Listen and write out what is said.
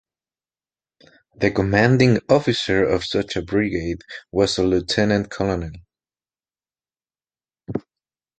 The commanding officer of such a brigade was a lieutenant colonel.